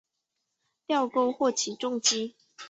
吊钩或起重机。